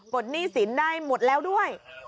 หนี้สินได้หมดแล้วด้วย